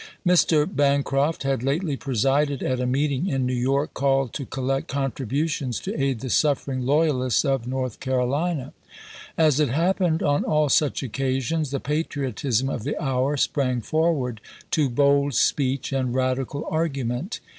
Mr. Bancroft had lately presided at a meeting in New York called to collect contri butions to aid the suffering loyahsts of North Carolina. As it happened on all such occasions, the patriotism of the hour sprang forward to bold speech and radical argument.